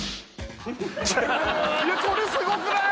これすごくない？